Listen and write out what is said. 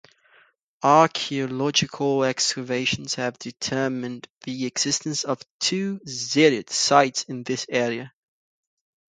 Archaeological excavations have determined the existence of two Zirid sites in this area.